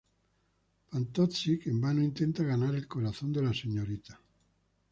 Fantozzi, que en vano intenta ganar el corazón de la Srta.